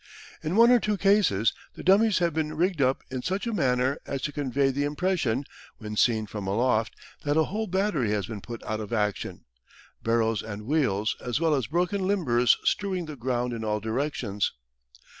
In one or two cases the dummies have been rigged up in such a manner as to convey the impression, when seen from aloft, that a whole battery has been put out of action, barrels and wheels as well as broken limbers strewing the ground in all directions.